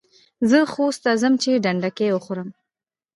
زه خوست ته ځم چي ډنډکۍ وخورم.